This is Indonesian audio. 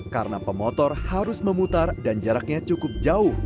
karena pemotor harus memutar dan jaraknya cukup jauh